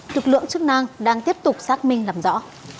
lực lượng chức năng đang tiếp tục xác minh làm rõ